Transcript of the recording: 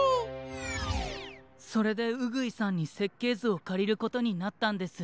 それでうぐいさんにせっけいずをかりることになったんです。